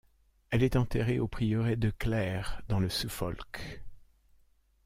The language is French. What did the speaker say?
Elle est enterrée au Prieuré de Clare, dans le Suffolk.